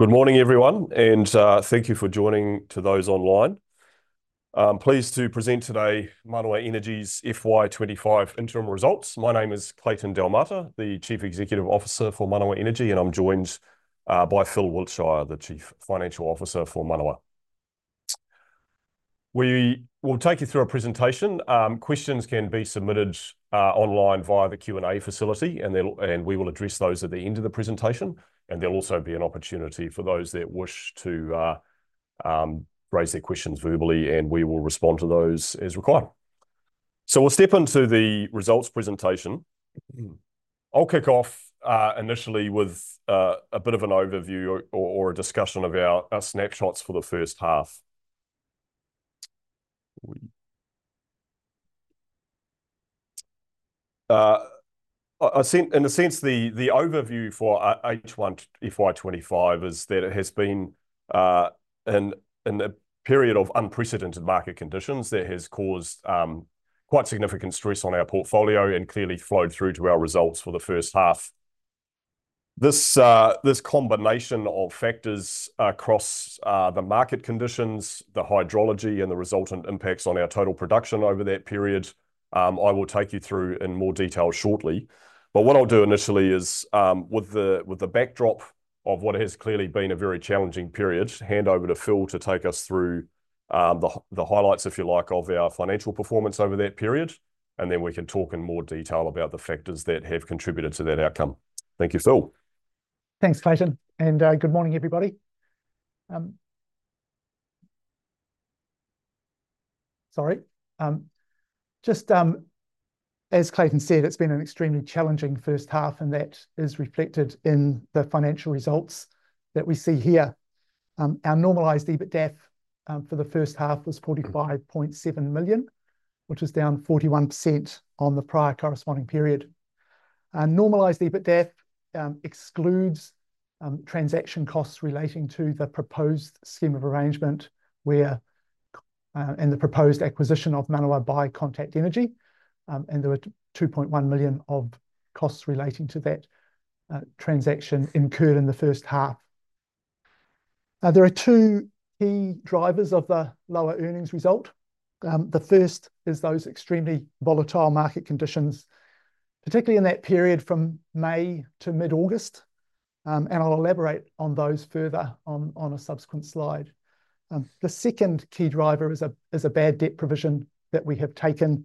Good morning, everyone, and thank you for joining to those online. I'm pleased to present today Manawa Energy's FY25 interim results. My name is Clayton Delmarter, the Chief Executive Officer for Manawa Energy, and I'm joined by Phil Wiltshire, the Chief Financial Officer for Manawa. We will take you through a presentation. Questions can be submitted online via the Q&A facility, and we will address those at the end of the presentation, and there'll also be an opportunity for those that wish to raise their questions verbally, and we will respond to those as required, so we'll step into the results presentation. I'll kick off initially with a bit of an overview or a discussion of our snapshots for the first half. In a sense, the overview for HY25 is that it has been in a period of unprecedented market conditions that has caused quite significant stress on our portfolio and clearly flowed through to our results for the first half. This combination of factors across the market conditions, the hydrology, and the resultant impacts on our total production over that period, I will take you through in more detail shortly. But what I'll do initially is, with the backdrop of what has clearly been a very challenging period, hand over to Phil to take us through the highlights, if you like, of our financial performance over that period, and then we can talk in more detail about the factors that have contributed to that outcome. Thank you, Phil. Thanks, Clayton, and good morning, everybody. Sorry. Just as Clayton said, it's been an extremely challenging first half, and that is reflected in the financial results that we see here. Our normalized EBITDA for the first half was 45.7 million, which is down 41% on the prior corresponding period. Normalized EBITDA excludes transaction costs relating to the proposed scheme of arrangement and the proposed acquisition of Manawa by Contact Energy, and there were 2.1 million of costs relating to that transaction incurred in the first half. There are two key drivers of the lower earnings result. The first is those extremely volatile market conditions, particularly in that period from May to mid-August, and I'll elaborate on those further on a subsequent slide. The second key driver is a bad debt provision that we have taken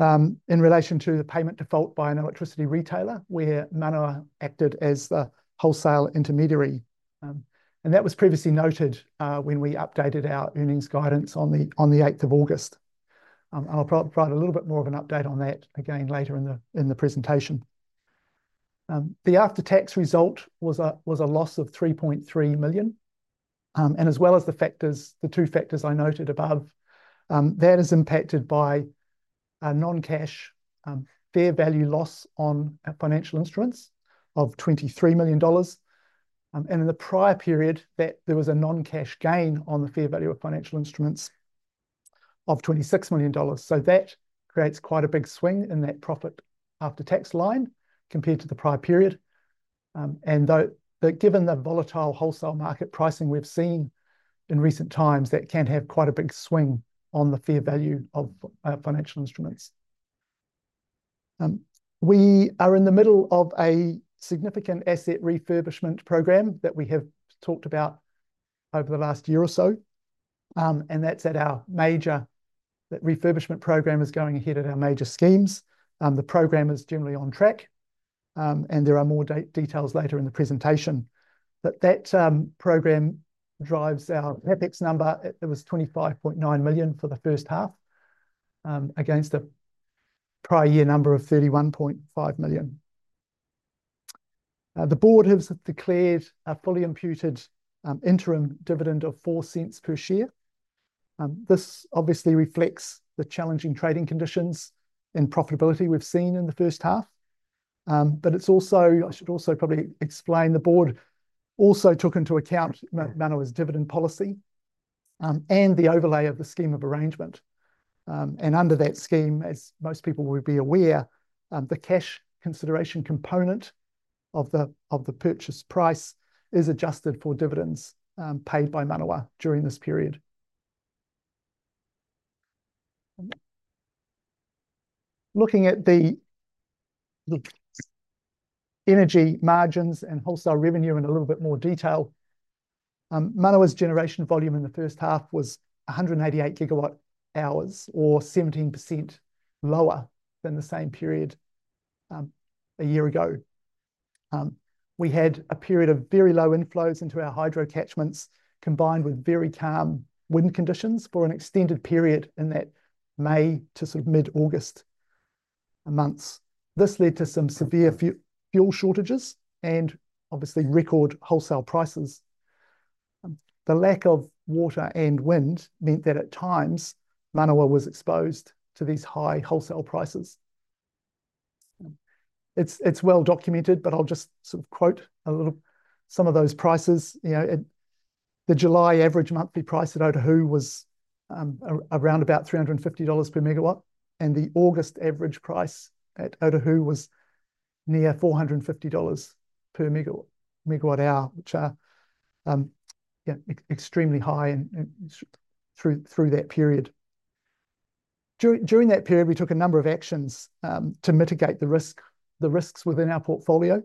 in relation to the payment default by an electricity retailer where Manawa acted as the wholesale intermediary, and that was previously noted when we updated our earnings guidance on the 8th of August. I'll provide a little bit more of an update on that again later in the presentation. The after-tax result was a loss of 3.3 million, and as well as the two factors I noted above, that is impacted by a non-cash fair value loss on financial instruments of 23 million dollars. And in the prior period, there was a non-cash gain on the fair value of financial instruments of 26 million dollars. So that creates quite a big swing in that profit after-tax line compared to the prior period. Given the volatile wholesale market pricing we've seen in recent times, that can have quite a big swing on the fair value of financial instruments. We are in the middle of a significant asset refurbishment program that we have talked about over the last year or so, and that's our major refurbishment program going ahead at our major schemes. The program is generally on track, and there are more details later in the presentation. But that program drives our CAPEX number. It was 25.9 million for the first half against a prior year number of 31.5 million. The board has declared a fully imputed interim dividend of 0.04 per share. This obviously reflects the challenging trading conditions and profitability we've seen in the first half. But I should also probably explain the board also took into account Manawa's dividend policy and the overlay of the Scheme of Arrangement. And under that scheme, as most people will be aware, the cash consideration component of the purchase price is adjusted for dividends paid by Manawa during this period. Looking at the energy margins and wholesale revenue in a little bit more detail, Manawa's generation volume in the first half was 188 gigawatt hours, or 17% lower than the same period a year ago. We had a period of very low inflows into our hydro catchments combined with very calm wind conditions for an extended period in that May to sort of mid-August months. This led to some severe fuel shortages and obviously record wholesale prices. The lack of water and wind meant that at times Manawa was exposed to these high wholesale prices. It's well documented, but I'll just sort of quote some of those prices. The July average monthly price at Otahuhu was around about 350 dollars per megawatt, and the August average price at Otahuhu was near 450 dollars per megawatt hour, which are extremely high through that period. During that period, we took a number of actions to mitigate the risks within our portfolio,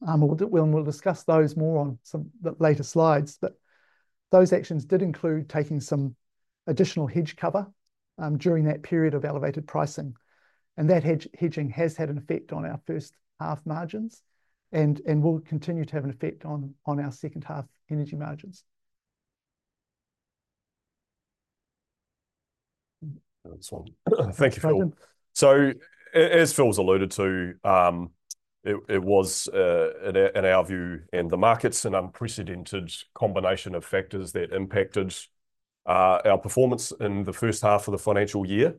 and we'll discuss those more on some later slides. But those actions did include taking some additional hedge cover during that period of elevated pricing, and that hedging has had an effect on our first half margins and will continue to have an effect on our second half energy margins. Excellent. Thank you, Phil. So as Phil's alluded to, it was, in our view and the market's, an unprecedented combination of factors that impacted our performance in the first half of the financial year.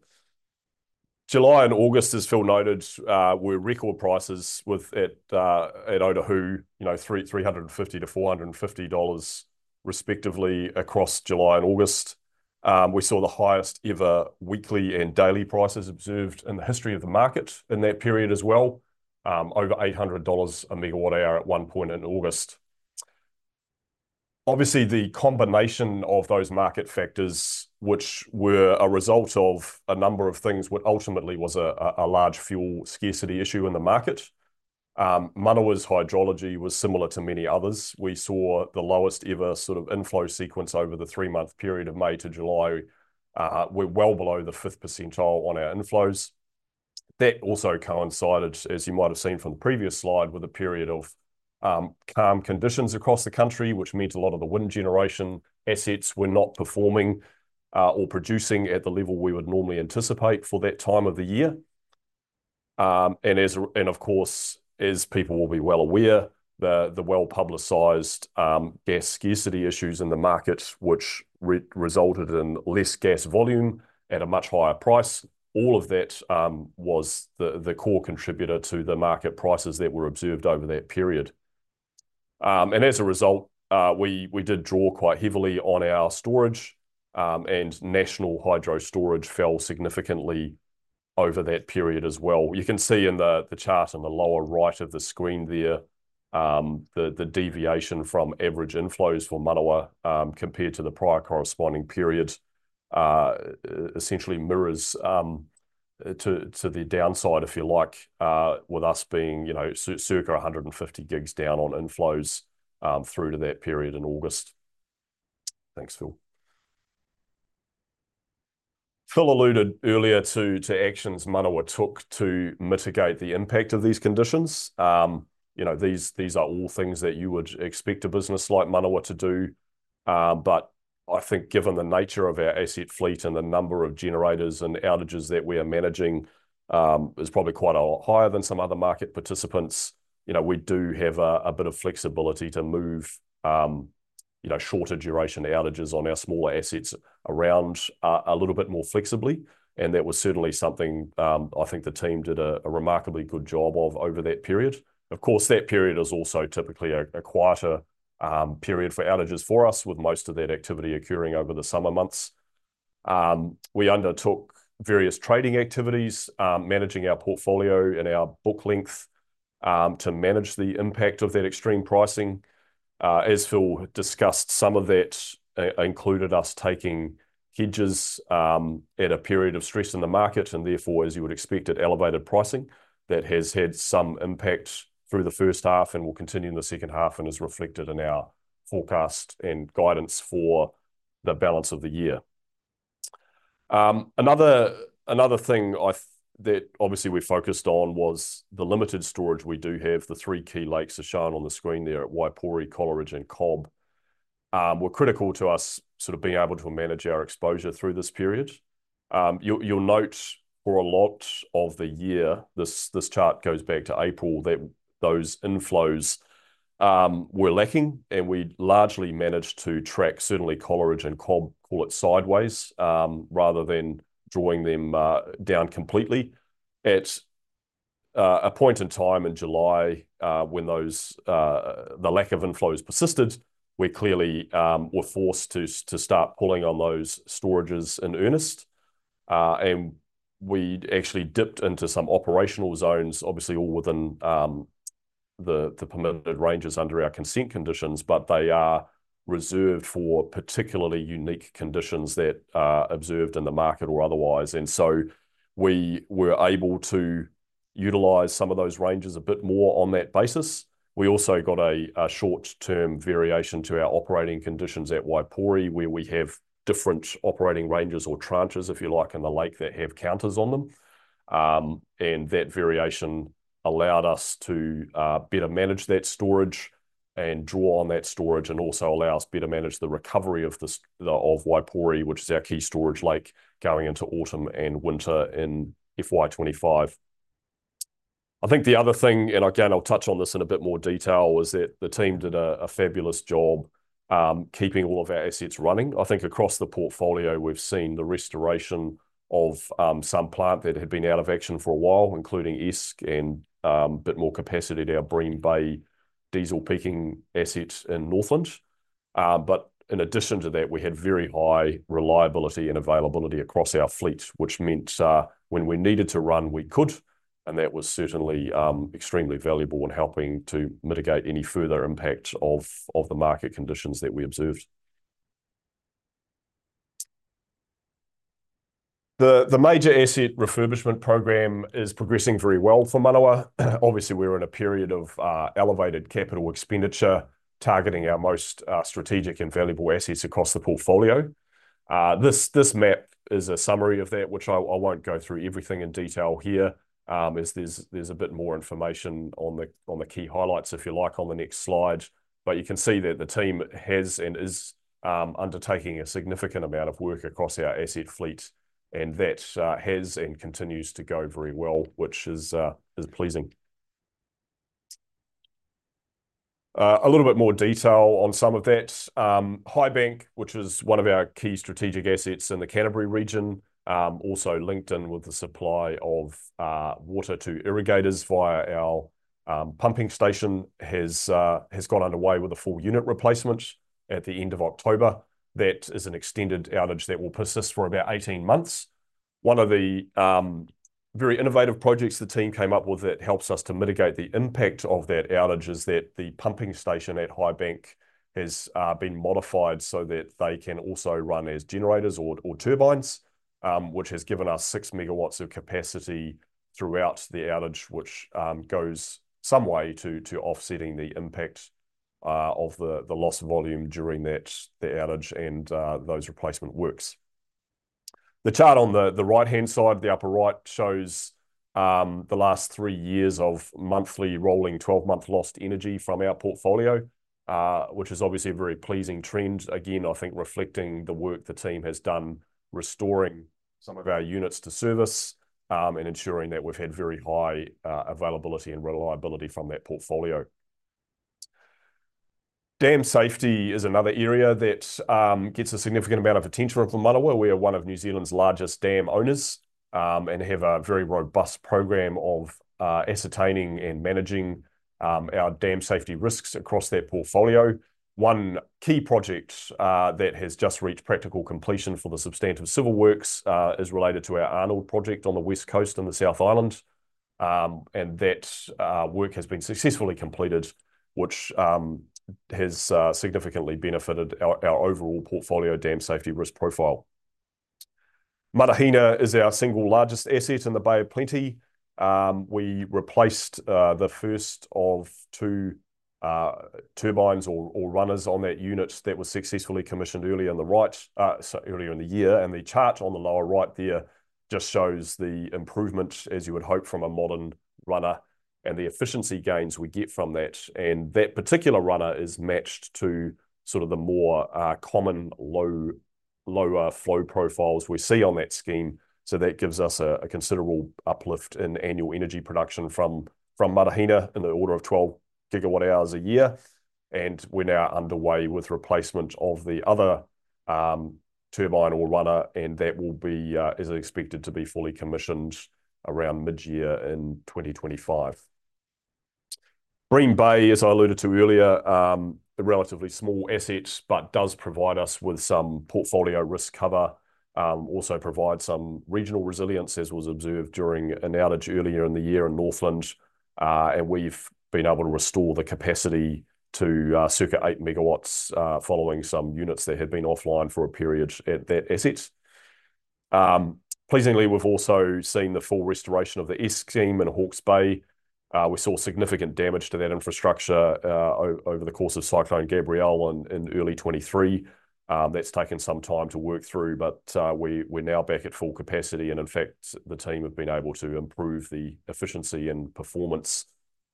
July and August, as Phil noted, were record prices at Otahuhu, 350-450 dollars respectively across July and August. We saw the highest ever weekly and daily prices observed in the history of the market in that period as well, over 800 dollars a megawatt hour at one point in August. Obviously, the combination of those market factors, which were a result of a number of things, what ultimately was a large fuel scarcity issue in the market. Manawa's hydrology was similar to many others. We saw the lowest ever sort of inflow sequence over the three-month period of May to July, well below the fifth percentile on our inflows. That also coincided, as you might have seen from the previous slide, with a period of calm conditions across the country, which means a lot of the wind generation assets were not performing or producing at the level we would normally anticipate for that time of the year, and of course, as people will be well aware, the well-publicized gas scarcity issues in the market, which resulted in less gas volume at a much higher price, all of that was the core contributor to the market prices that were observed over that period, and as a result, we did draw quite heavily on our storage, and national hydro storage fell significantly over that period as well. You can see in the chart on the lower right of the screen there the deviation from average inflows for Manawa compared to the prior corresponding period essentially mirrors to the downside, if you like, with us being circa 150 gigs down on inflows through to that period in August. Thanks, Phil. Phil alluded earlier to actions Manawa took to mitigate the impact of these conditions. These are all things that you would expect a business like Manawa to do, but I think given the nature of our asset fleet and the number of generators and outages that we are managing is probably quite a lot higher than some other market participants. We do have a bit of flexibility to move shorter duration outages on our smaller assets around a little bit more flexibly, and that was certainly something I think the team did a remarkably good job of over that period. Of course, that period is also typically a quieter period for outages for us, with most of that activity occurring over the summer months. We undertook various trading activities, managing our portfolio and our book length to manage the impact of that extreme pricing. As Phil discussed, some of that included us taking hedges at a period of stress in the market, and therefore, as you would expect, at elevated pricing. That has had some impact through the first half and will continue in the second half and is reflected in our forecast and guidance for the balance of the year. Another thing that obviously we focused on was the limited storage we do have. The three key lakes are shown on the screen there at Waipori, Coleridge, and Cobb were critical to us sort of being able to manage our exposure through this period. You'll note for a lot of the year, this chart goes back to April, that those inflows were lacking, and we largely managed to track certainly Coleridge and Cobb, call it sideways, rather than drawing them down completely. At a point in time in July when the lack of inflows persisted, we clearly were forced to start pulling on those storages in earnest, and we actually dipped into some operational zones, obviously all within the permitted ranges under our consent conditions, but they are reserved for particularly unique conditions that are observed in the market or otherwise, and so we were able to utilize some of those ranges a bit more on that basis. We also got a short-term variation to our operating conditions at Waipori, where we have different operating ranges or tranches, if you like, in the lake that have counters on them, and that variation allowed us to better manage that storage and draw on that storage and also allow us better manage the recovery of Waipori, which is our key storage lake going into autumn and winter in FY25. I think the other thing, and again, I'll touch on this in a bit more detail, was that the team did a fabulous job keeping all of our assets running. I think across the portfolio, we've seen the restoration of some plant that had been out of action for a while, including Esk and a bit more capacity at our Bream Bay diesel peaking asset in Northland. But in addition to that, we had very high reliability and availability across our fleet, which meant when we needed to run, we could, and that was certainly extremely valuable in helping to mitigate any further impact of the market conditions that we observed. The major asset refurbishment program is progressing very well for Manawa. Obviously, we're in a period of elevated capital expenditure targeting our most strategic and valuable assets across the portfolio. This map is a summary of that, which I won't go through everything in detail here, as there's a bit more information on the key highlights, if you like, on the next slide. But you can see that the team has and is undertaking a significant amount of work across our asset fleet, and that has and continues to go very well, which is pleasing. A little bit more detail on some of that. Highbank, which is one of our key strategic assets in the Canterbury region, also linked in with the supply of water to irrigators via our pumping station, has gone underway with a full unit replacement at the end of October. That is an extended outage that will persist for about 18 months. One of the very innovative projects the team came up with that helps us to mitigate the impact of that outage is that the pumping station at Highbank has been modified so that they can also run as generators or turbines, which has given us six megawatts of capacity throughout the outage, which goes some way to offsetting the impact of the loss of volume during that outage and those replacement works. The chart on the right-hand side, the upper right, shows the last three years of monthly rolling 12-month lost energy from our portfolio, which is obviously a very pleasing trend. Again, I think reflecting the work the team has done restoring some of our units to service and ensuring that we've had very high availability and reliability from that portfolio. Dam safety is another area that gets a significant amount of attention from Manawa. We are one of New Zealand's largest dam owners and have a very robust program of ascertaining and managing our dam safety risks across that portfolio. One key project that has just reached practical completion for the substantive civil works is related to our Arnold project on the West Coast and the South Island, and that work has been successfully completed, which has significantly benefited our overall portfolio dam safety risk profile. Matahina is our single largest asset in the Bay of Plenty. We replaced the first of two turbines or runners on that unit that was successfully commissioned earlier in the year, so earlier in the year, and the chart on the lower right there just shows the improvement, as you would hope from a modern runner, and the efficiency gains we get from that. That particular runner is matched to sort of the more common lower flow profiles we see on that scheme. That gives us a considerable uplift in annual energy production from Matahina in the order of 12 gigawatt hours a year. We're now underway with replacement of the other turbine or runner, and that will be, as expected, to be fully commissioned around mid-year in 2025. Bream Bay, as I alluded to earlier, a relatively small asset, but does provide us with some portfolio risk cover, also provides some regional resilience, as was observed during an outage earlier in the year in Northland, and we've been able to restore the capacity to circa eight megawatts following some units that had been offline for a period at that asset. Pleasingly, we've also seen the full restoration of the Esk scheme in Hawke's Bay. We saw significant damage to that infrastructure over the course of Cyclone Gabrielle in early 2023. That's taken some time to work through, but we're now back at full capacity, and in fact, the team have been able to improve the efficiency and performance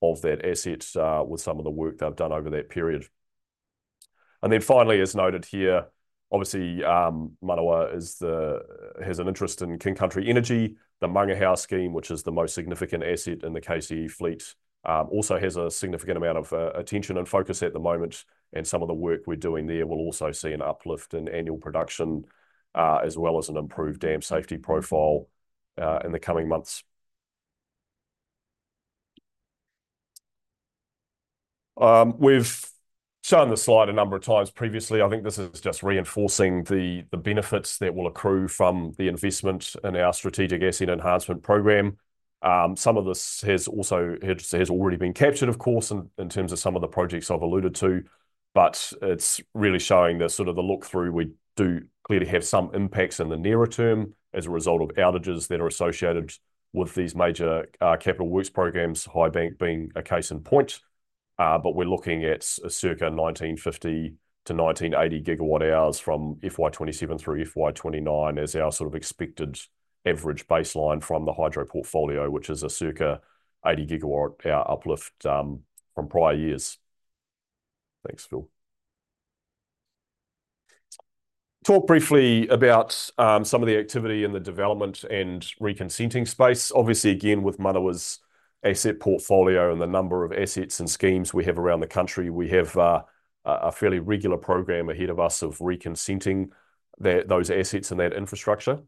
of that asset with some of the work they've done over that period. And then finally, as noted here, obviously, Manawa has an interest in King Country Energy, the Mangahao scheme, which is the most significant asset in the KCE fleet, also has a significant amount of attention and focus at the moment, and some of the work we're doing there will also see an uplift in annual production as well as an improved dam safety profile in the coming months. We've shown the slide a number of times previously. I think this is just reinforcing the benefits that will accrue from the investment in our strategic asset enhancement program. Some of this has also already been captured, of course, in terms of some of the projects I've alluded to, but it's really showing the sort of the look through. We do clearly have some impacts in the nearer term as a result of outages that are associated with these major capital works programs, Highbank being a case in point, but we're looking at circa 1950-1980 gigawatt hours from FY27 through FY29 as our sort of expected average baseline from the hydro portfolio, which is a circa 80 gigawatt hour uplift from prior years. Thanks, Phil. Talk briefly about some of the activity in the development and reconsenting space. Obviously, again, with Manawa's asset portfolio and the number of assets and schemes we have around the country, we have a fairly regular program ahead of us of reconsenting those assets and that infrastructure.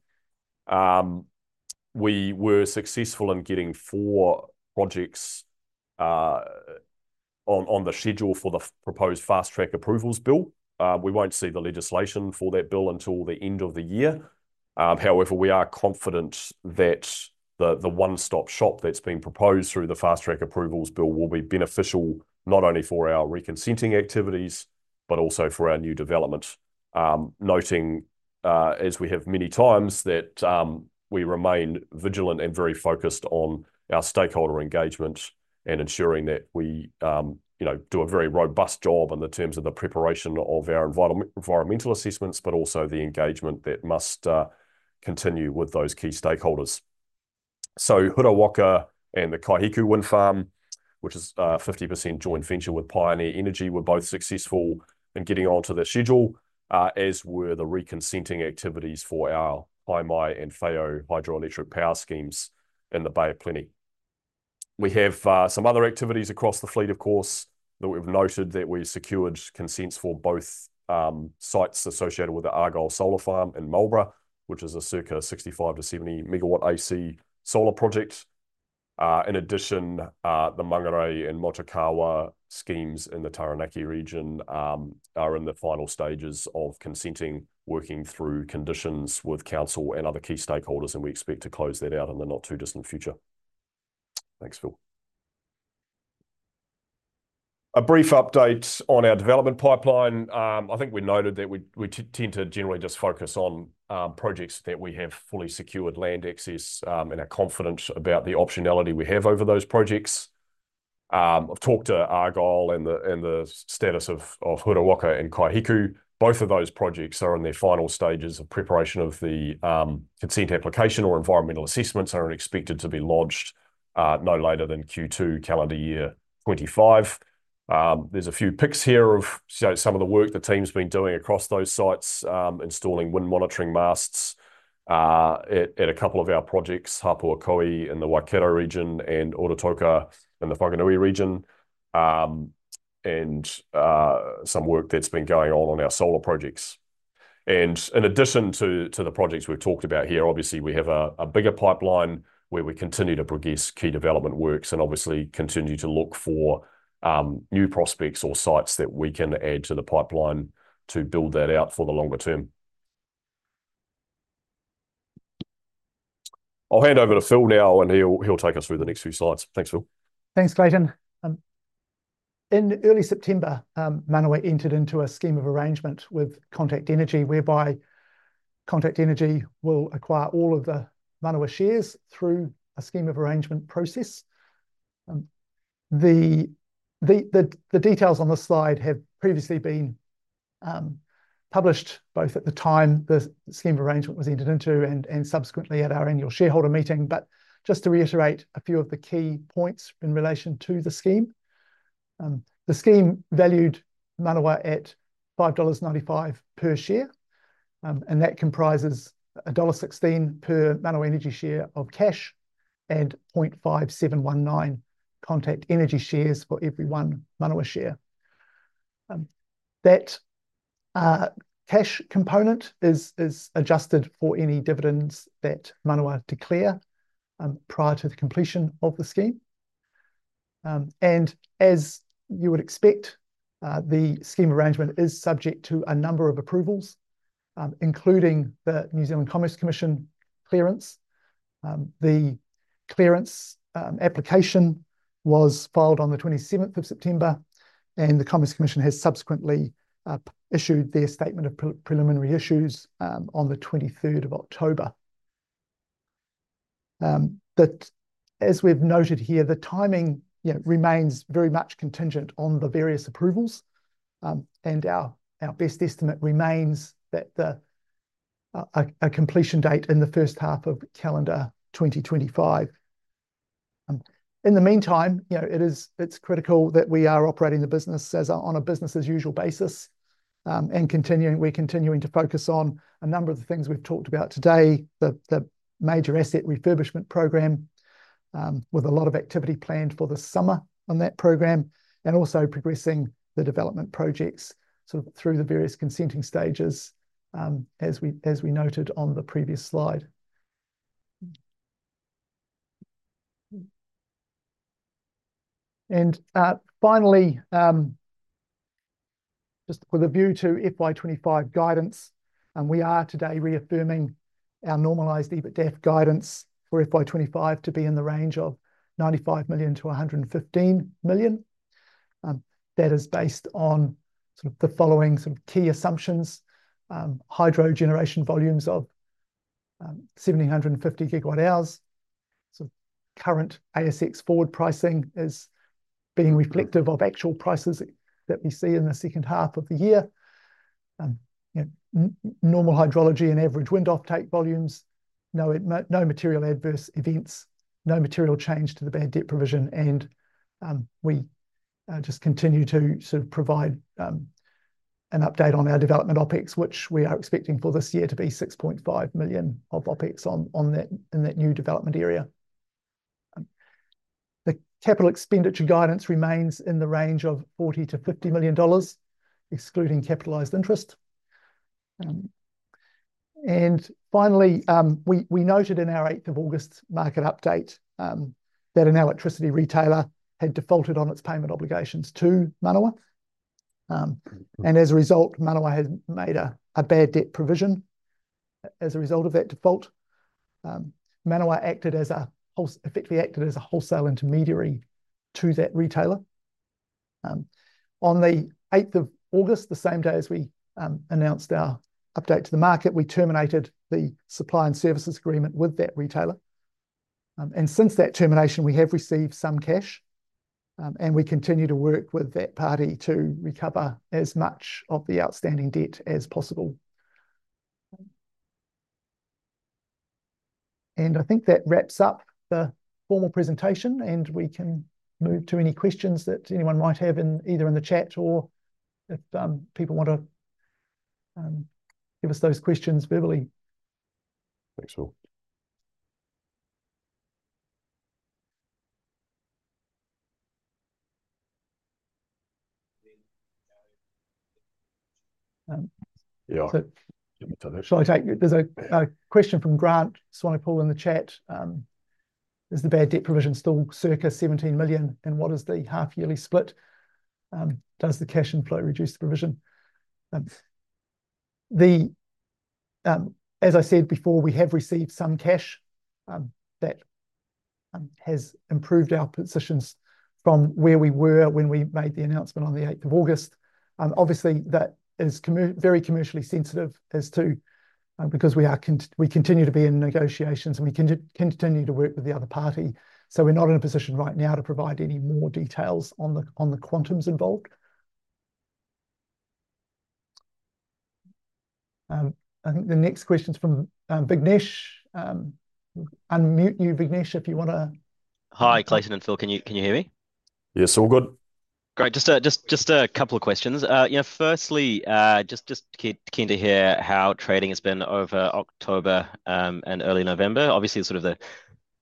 We were successful in getting four projects on the schedule for the proposed Fast-track Approvals Bill. We won't see the legislation for that bill until the end of the year. However, we are confident that the one-stop shop that's been proposed through the Fast-track Approvals Bill will be beneficial not only for our reconsenting activities, but also for our new development. Noting, as we have many times, that we remain vigilant and very focused on our stakeholder engagement and ensuring that we do a very robust job in the terms of the preparation of our environmental assessments, but also the engagement that must continue with those key stakeholders. Huriwaka and the Kaihiku Wind Farm, which is a 50% joint venture with Pioneer Energy, were both successful in getting onto the schedule, as were the reconsenting activities for our Kaimai and Wheao hydroelectric power schemes in the Bay of Plenty. We have some other activities across the fleet, of course, that we've noted that we secured consents for both sites associated with the Argyle Solar Farm in Marlborough, which is a circa 65-70 megawatt AC solar project. In addition, the Mangorei and Motukawa schemes in the Taranaki region are in the final stages of consenting, working through conditions with council and other key stakeholders, and we expect to close that out in the not too distant future. Thanks, Phil. A brief update on our development pipeline. I think we noted that we tend to generally just focus on projects that we have fully secured land access and are confident about the optionality we have over those projects. I've talked to Argyle and the status of Huriwaka and Kaihiku. Both of those projects are in their final stages of preparation of the consent application or environmental assessments are expected to be lodged no later than Q2 calendar year 2025. There's a few pics here of some of the work the team's been doing across those sites, installing wind monitoring masts at a couple of our projects, Hapuakohe in the Waikato region and Ototoka in the Whanganui region, and some work that's been going on on our solar projects. In addition to the projects we've talked about here, obviously, we have a bigger pipeline where we continue to progress key development works and obviously continue to look for new prospects or sites that we can add to the pipeline to build that out for the longer term. I'll hand over to Phil now, and he'll take us through the next few slides. Thanks, Phil. Thanks, Clayton. In early September, Manawa entered into a scheme of arrangement with Contact Energy, whereby Contact Energy will acquire all of the Manawa shares through a scheme of arrangement process. The details on the slide have previously been published both at the time the scheme of arrangement was entered into and subsequently at our annual shareholder meeting, but just to reiterate a few of the key points in relation to the scheme. The scheme valued Manawa at 5.95 dollars per share, and that comprises dollar 1.16 per Manawa Energy share of cash and 0.5719 Contact Energy shares for every one Manawa share. That cash component is adjusted for any dividends that Manawa declare prior to the completion of the scheme. And as you would expect, the scheme arrangement is subject to a number of approvals, including the New Zealand Commerce Commission clearance. The clearance application was filed on the 27th of September, and the Commerce Commission has subsequently issued their statement of preliminary issues on the 23rd of October. But as we've noted here, the timing remains very much contingent on the various approvals, and our best estimate remains that a completion date in the first half of calendar 2025. In the meantime, it's critical that we are operating the business on a business-as-usual basis and we're continuing to focus on a number of the things we've talked about today, the major asset refurbishment program, with a lot of activity planned for the summer on that program, and also progressing the development projects through the various consenting stages, as we noted on the previous slide, and finally, just with a view to FY25 guidance, we are today reaffirming our normalized EBITDA guidance for FY25 to be in the range of 95 million-115 million. That is based on the following key assumptions: hydro generation volumes of 1,750 gigawatt hours, current ASX forward pricing is being reflective of actual prices that we see in the second half of the year, normal hydrology and average wind offtake volumes, no material adverse events, no material change to the bad debt provision, and we just continue to provide an update on our development OPEX, which we are expecting for this year to be 6.5 million of OPEX in that new development area. The capital expenditure guidance remains in the range of 40-50 million dollars, excluding capitalized interest. And finally, we noted in our 8th of August market update that an electricity retailer had defaulted on its payment obligations to Manawa. And as a result, Manawa had made a bad debt provision as a result of that default. Manawa acted as a wholesale intermediary to that retailer. On the 8th of August, the same day as we announced our update to the market, we terminated the supply and services agreement with that retailer. And since that termination, we have received some cash, and we continue to work with that party to recover as much of the outstanding debt as possible. And I think that wraps up the formal presentation, and we can move to any questions that anyone might have either in the chat or if people want to give us those questions verbally. Thanks, Phil. Yeah. Shall I take? There's a question from Grant Swanepoel in the chat. Is the bad debt provision still circa 17 million, and what is the half-yearly split? Does the cash inflow reduce the provision? As I said before, we have received some cash that has improved our positions from where we were when we made the announcement on the 8th of August. Obviously, that is very commercially sensitive as to because we continue to be in negotiations and we continue to work with the other party. So we're not in a position right now to provide any more details on the quantums involved. I think the next question's from Vignesh. Unmute you, Vignesh, if you want to. Hi, Clayton and Phil. Can you hear me? Yes, all good. Great. Just a couple of questions. Firstly, just keen to hear how trading has been over October and early November. Obviously, sort of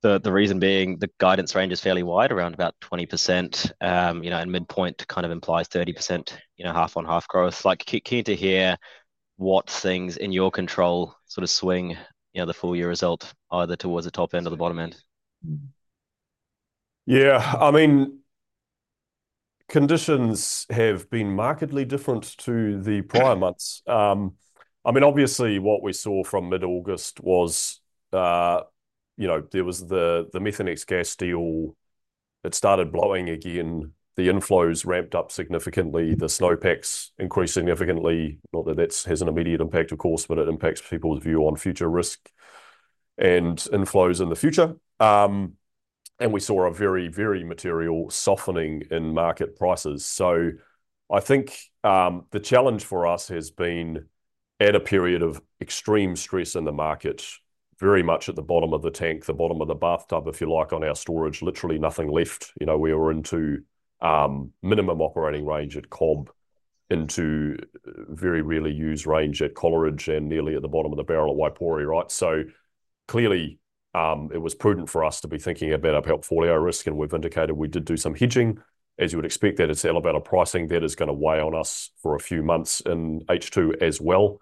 the reason being the guidance range is fairly wide, around about 20%, and midpoint kind of implies 30% half-on-half growth. Keen to hear what things in your control sort of swing the full year result either towards the top end or the bottom end. Yeah. I mean, conditions have been markedly different to the prior months. I mean, obviously, what we saw from mid-August was there was the Methanex gas deal. It started blowing again. The inflows ramped up significantly. The snowpacks increased significantly. Not that that has an immediate impact, of course, but it impacts people's view on future risk and inflows in the future. And we saw a very, very material softening in market prices. So I think the challenge for us has been at a period of extreme stress in the market, very much at the bottom of the tank, the bottom of the bathtub, if you like, on our storage, literally nothing left. We were into minimum operating range at Cobb, into very rarely used range at Coleridge and nearly at the bottom of the barrel at Waipori, right? So clearly, it was prudent for us to be thinking about upside hydro risk, and we've indicated we did do some hedging. As you would expect, that is elevated pricing that is going to weigh on us for a few months in H2 as well,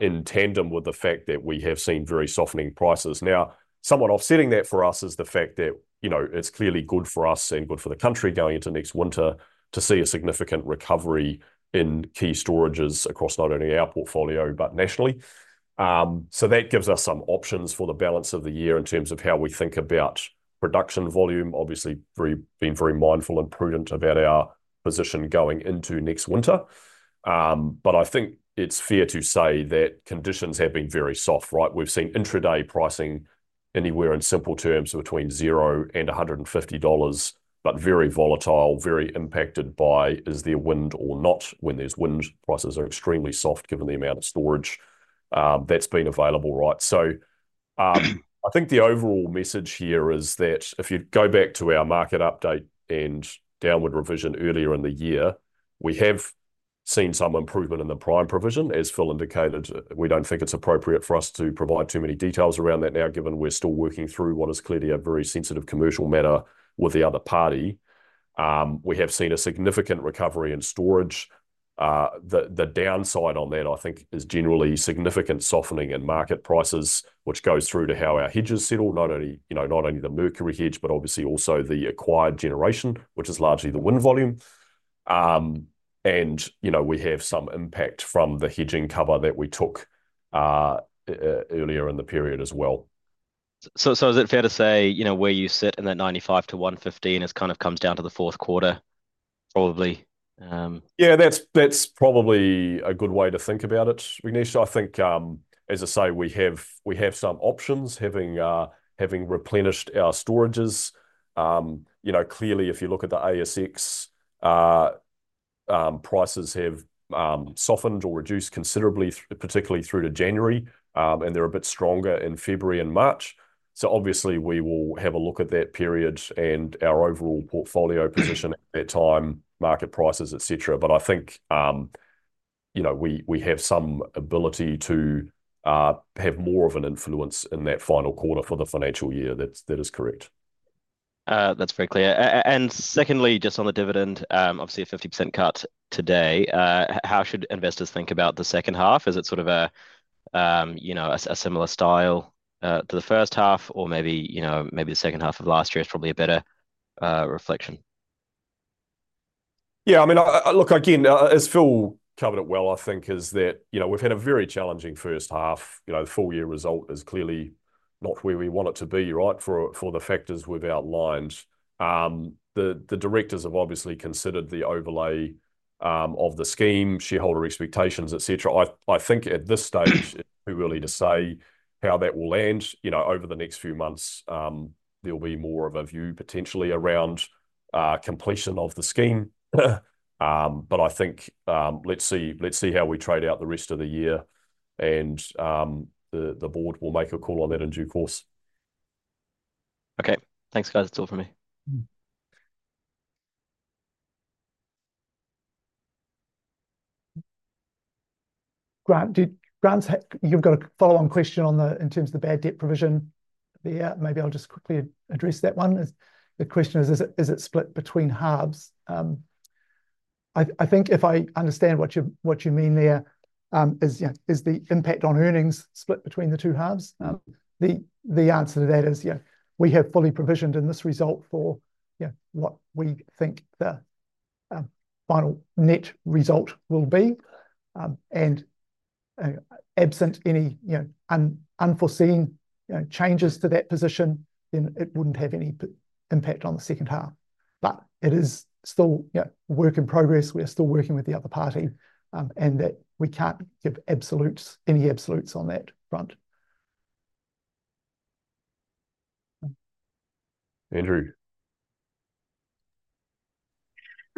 in tandem with the fact that we have seen very soft in prices. Now, somewhat offsetting that for us is the fact that it's clearly good for us and good for the country going into next winter to see a significant recovery in key storages across not only our portfolio but nationally. So that gives us some options for the balance of the year in terms of how we think about production volume, obviously being very mindful and prudent about our position going into next winter. But I think it's fair to say that conditions have been very soft, right? We've seen intraday pricing anywhere in simple terms between 0 and 150 dollars, but very volatile, very impacted by is there wind or not. When there's wind, prices are extremely soft given the amount of storage that's been available, right? So I think the overall message here is that if you go back to our market update and downward revision earlier in the year, we have seen some improvement in the prime provision. As Phil indicated, we don't think it's appropriate for us to provide too many details around that now, given we're still working through what is clearly a very sensitive commercial matter with the other party. We have seen a significant recovery in storage. The downside on that, I think, is generally significant softening in market prices, which goes through to how our hedges settle, not only the Mercury hedge, but obviously also the acquired generation, which is largely the wind volume. And we have some impact from the hedging cover that we took earlier in the period as well. So is it fair to say where you sit in that 95-115 has kind of come down to the fourth quarter, probably? Yeah, that's probably a good way to think about it, Vignesh. I think, as I say, we have some options having replenished our storages. Clearly, if you look at the ASX, prices have softened or reduced considerably, particularly through to January, and they're a bit stronger in February and March. So obviously, we will have a look at that period and our overall portfolio position at that time, market prices, etc. But I think we have some ability to have more of an influence in that final quarter for the financial year. That is correct. That's very clear. And secondly, just on the dividend, obviously a 50% cut today. How should investors think about the second half? Is it sort of a similar style to the first half, or maybe the second half of last year is probably a better reflection? Yeah, I mean, look, again, as Phil covered it well, I think is that we've had a very challenging first half. The full year result is clearly not where we want it to be, right, for the factors we've outlined. The directors have obviously considered the overlay of the scheme, shareholder expectations, etc. I think at this stage, too early to say how that will land. Over the next few months, there'll be more of a view potentially around completion of the scheme. But I think let's see how we trade out the rest of the year, and the board will make a call on that in due course. Okay. Thanks, guys. That's all from me. Grant, you've got a follow-on question in terms of the bad debt provision. Maybe I'll just quickly address that one. The question is, is it split between halves? I think if I understand what you mean there is the impact on earnings split between the two halves. The answer to that is we have fully provisioned in this result for what we think the final net result will be. And absent any unforeseen changes to that position, then it wouldn't have any impact on the second half. But it is still work in progress. We are still working with the other party, and that we can't give any absolutes on that front. Andrew.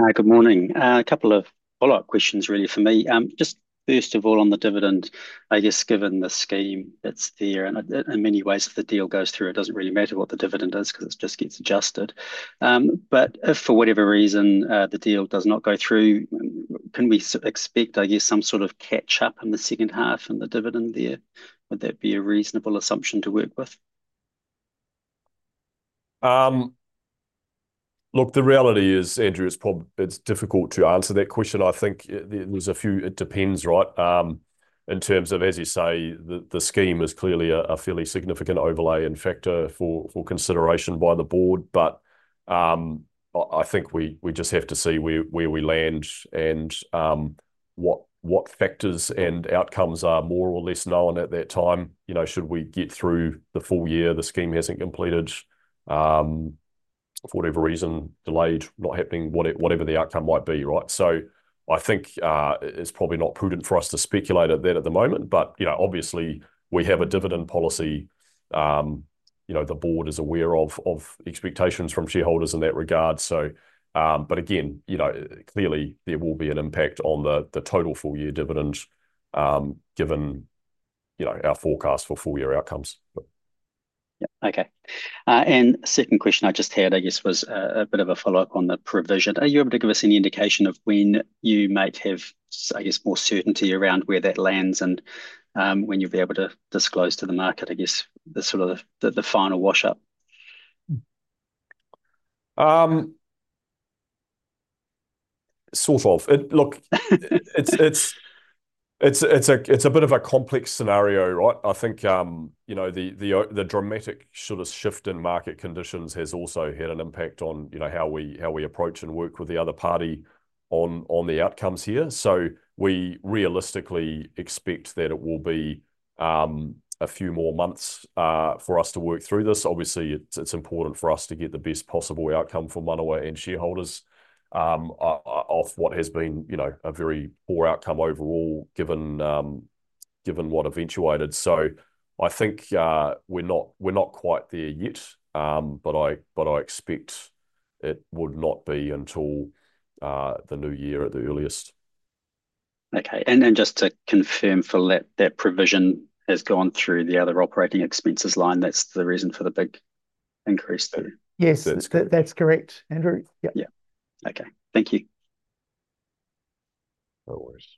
Hi, good morning. A couple of follow-up questions really for me. Just first of all, on the dividend, I guess given the scheme that's there and in many ways if the deal goes through, it doesn't really matter what the dividend is because it just gets adjusted. But if for whatever reason the deal does not go through, can we expect, I guess, some sort of catch-up in the second half in the dividend there? Would that be a reasonable assumption to work with? Look, the reality is, Andrew, it's difficult to answer that question. I think there's a few it depends, right? In terms of, as you say, the scheme is clearly a fairly significant overlay and factor for consideration by the board. But I think we just have to see where we land and what factors and outcomes are more or less known at that time. Should we get through the full year, the scheme hasn't completed for whatever reason, delayed, not happening, whatever the outcome might be, right? So I think it's probably not prudent for us to speculate at that at the moment. But obviously, we have a dividend policy the board is aware of expectations from shareholders in that regard. But again, clearly, there will be an impact on the total full-year dividend given our forecast for full-year outcomes. Yep. Okay. And second question I just had, I guess, was a bit of a follow-up on the provision. Are you able to give us any indication of when you might have, I guess, more certainty around where that lands and when you'll be able to disclose to the market, I guess, the final wash-up? Sort of. Look, it's a bit of a complex scenario, right? I think the dramatic sort of shift in market conditions has also had an impact on how we approach and work with the other party on the outcomes here. So we realistically expect that it will be a few more months for us to work through this. Obviously, it's important for us to get the best possible outcome for Manawa and shareholders of what has been a very poor outcome overall given what eventuated. I think we're not quite there yet, but I expect it would not be until the new year at the earliest. Okay. And then just to confirm, Phil, that provision has gone through the other operating expenses line. That's the reason for the big increase. Yes, that's correct, Andrew. Yep. Yeah. Okay. Thank you. No worries.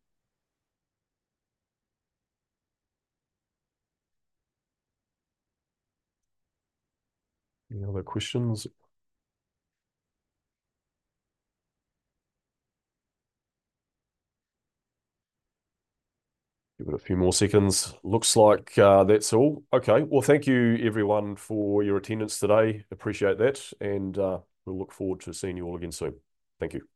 Any other questions? Give it a few more seconds. Looks like that's all. Okay. Thank you, everyone, for your attendance today. Appreciate that. And we'll look forward to seeing you all again soon. Thank you.